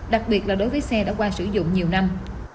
đặc biệt là đối với xe đã qua sử dụng nhiều năm